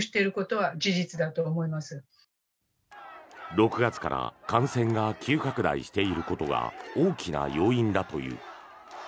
６月から感染が急拡大していることが大きな要因だという。